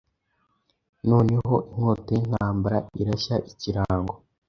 Noneho inkota yintambara irashyaikirango